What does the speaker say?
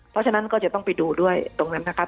เพราะฉะนั้นก็จะต้องไปดูด้วยตรงนั้นนะครับ